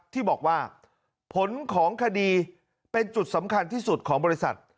ที่บอกว่าผลของคดีเป็นจุดสำคัญที่สุดของบริษัท